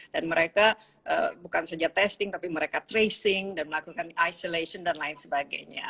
dan mereka bukan saja testing tapi mereka tracing dan melakukan isolation dan lain sebagainya